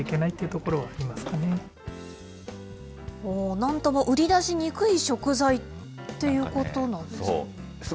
なんとも売り出しにくい食材ということなんですね。